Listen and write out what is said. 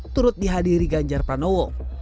turut dihadiri ganjar pranowo